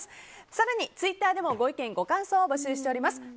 更にツイッターでもご意見、ご感想を募集しています。